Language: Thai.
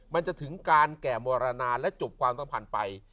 มันจะถึงการแก่มรณาและจบความต้องผ่านไป